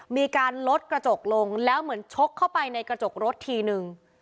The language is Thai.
มีการลดกระจกลงแล้วเหมือนชกเข้าไปในกระจกรถทีนึง